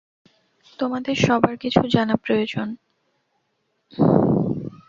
তোমাদের সবার কিছু জানা প্রয়োজন।